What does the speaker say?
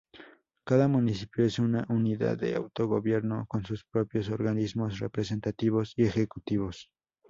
Cada municipio es una unidad de autogobierno con sus propios organismos representativos y ejecutivos.